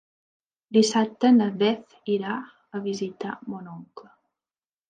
Dissabte na Beth irà a visitar mon oncle.